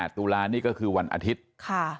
ตุลานี่ก็คือวันอาทิตย์